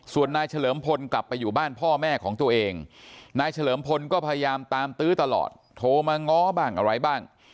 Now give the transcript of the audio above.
ส่วนนายเฉลิมพลกลับไปอยู่บ้านพ่อแม่ของตัวเองนายเฉลิมพลก็พยายามตามตื้อตลอดโทรมาง้อบ้างอะไรบ้าง